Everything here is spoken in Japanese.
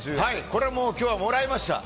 これはもう今日はもらいました。